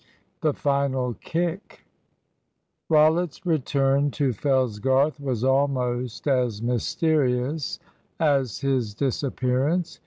THE FINAL KICK. Rollitt's return to Fellsgarth was almost as mysterious as his disappearance.